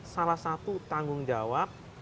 salah satu tanggung jawab